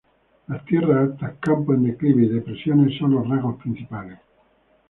Las tierras altas, campos en declive, y depresiones son los rasgos principales.